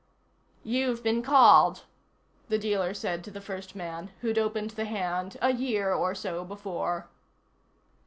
"You've been called," the dealer said to the first man, who'd opened the hand a year or so before.